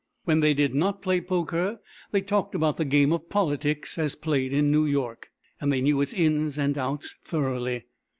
When they did not play poker they talked about the game of politics as played in New York, and they knew its ins and outs thoroughly.